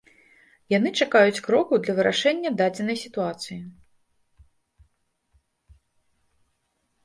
Яны чакаюць крокаў для вырашэння дадзенай сітуацыі.